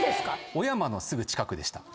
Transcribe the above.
小山のすぐ近くでした。